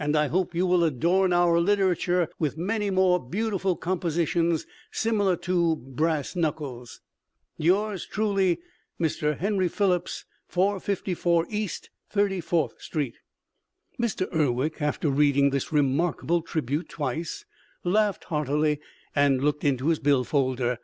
I hope you will adorn our literature with many more beautiful compositions similiar to Brass Nuckles. Yours truly Mr Henry Phillips 454 East 34 St. Mr. Urwick, after reading this remarkable tribute twice, laughed heartily and looked in his bill folder.